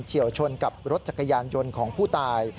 เฉียวชนกับรถจักรยานยนต์ของผู้ตาย